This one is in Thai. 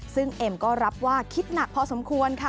ซึ่งเอ็มก็รับว่าคิดหนักพอสมควรค่ะ